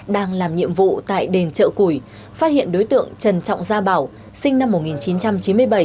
đang làm nhiệm vụ tại đền chợ củi phát hiện đối tượng trần trọng gia bảo sinh năm một nghìn chín trăm chín mươi bảy